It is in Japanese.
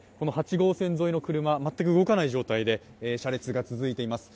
号線沿いの車、全く動かない状態で車列が続いています。